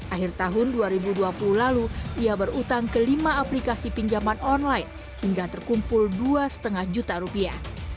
akhir tahun dua ribu dua puluh lalu ia berutang ke lima aplikasi pinjaman online hingga terkumpul dua lima juta rupiah